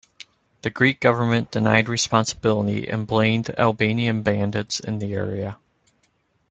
The Greek government denied responsibility and blamed Albanian bandits in the area.